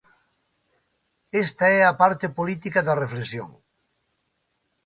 Esta é a parte política da reflexión.